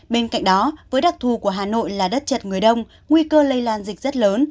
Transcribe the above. bên cạnh đó với đặc thù của hà nội là đất chật người đông nguy cơ lây lan dịch rất lớn